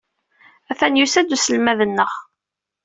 Atan yusa-d uselmad-nneɣ.